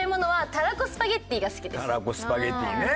たらこスパゲッティね。